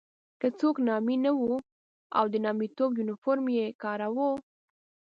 که څوک نامي نه وو او د نامیتوب یونیفورم یې کاراوه.